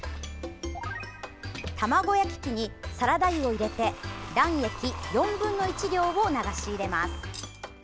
卵焼き器にサラダ油を入れて卵液４分の１量を流し入れます。